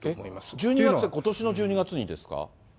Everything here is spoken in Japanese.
１２月ってことしの１２月ですか？